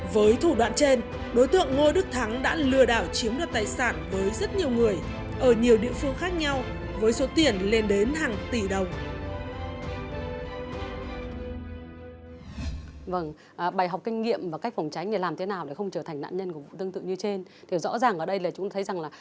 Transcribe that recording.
với thủ đoạn trên đối tượng ngô đức thắng đã lừa đảo chiếm đoạt tài sản với rất nhiều người ở nhiều địa phương khác nhau với số tiền lên đến hàng tỷ đồng